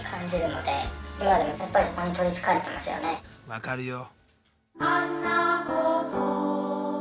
分かるよ。